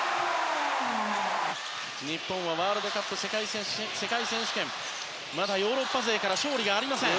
日本はワールドカップ世界選手権まだヨーロッパ勢から勝利がありません。